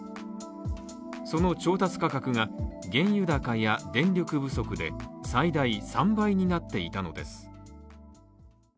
その調達価格が原油高や電力不足で最大３倍になっていたのです。